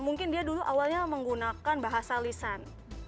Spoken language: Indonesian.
mungkin dia dulu awalnya menggunakan bahasa lisan